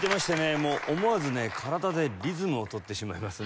もう思わずね体でリズムをとってしまいますね。